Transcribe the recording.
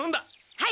はい！